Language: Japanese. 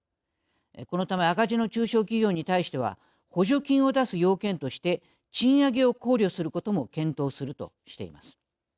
このため赤字の中小企業に対しては補助金を出す要件として賃上げを考慮することも検討するとしています。